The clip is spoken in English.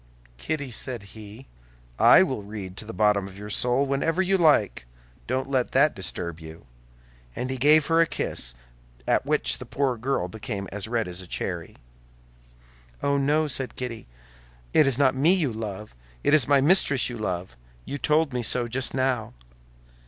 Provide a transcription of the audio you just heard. "Kitty," said he, "I will read to the bottom of your soul whenever you like; don't let that disturb you." And he gave her a kiss at which the poor girl became as red as a cherry. "Oh, no," said Kitty, "it is not me you love! It is my mistress you love; you told me so just now."